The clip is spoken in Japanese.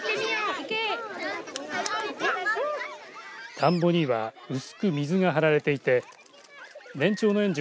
田んぼには薄く水が張られていて年長の園児